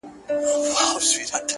د مالدارو په کورونو په قصرو کي٫